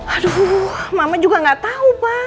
aduh mama juga nggak tahu pak